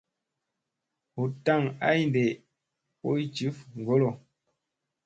Hut tak ay nde boy jif ŋgolo.